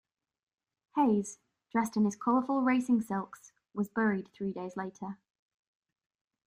Hayes, dressed in his colorful racing silks, was buried three days later.